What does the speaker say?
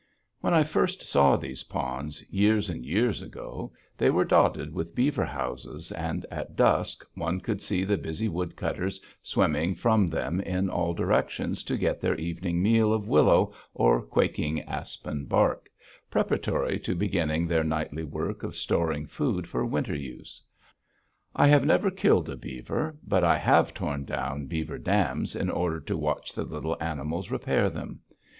When I first saw these ponds, years and years ago, they were dotted with beaver houses, and at dusk one could see the busy woodcutters swimming from them in all directions to get their evening meal of willow or quaking aspen bark, preparatory to beginning their nightly work of storing food for winter use. I never killed a beaver, but I have torn down beaver dams in order to watch the little animals repair them.